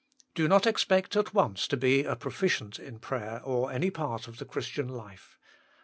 Do not expect at once to be a proficient in prayer or any part of the Christian life.